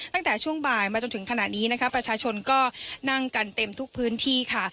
ตั้งแต่ช่วงบ่ายมาจนถึงขณะนี้นะคะประชาชนก็นั่งกันเต็มทุกพื้นที่ค่ะ